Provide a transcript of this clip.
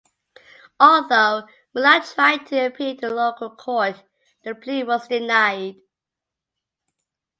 Although Muhlach tried to appeal to the local court, the plea was denied.